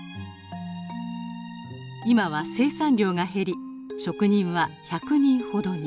今は生産量が減り職人は１００人ほどに。